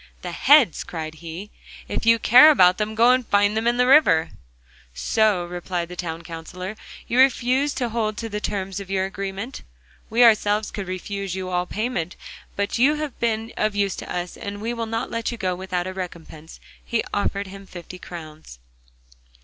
'The heads!' cried he, 'if you care about them, go and find them in the river.' 'So,' replied the Town Counsellor, 'you refuse to hold to the terms of your agreement? We ourselves could refuse you all payment. But you have been of use to us, and we will not let you go without a recompense,' and he offered him fifty crowns.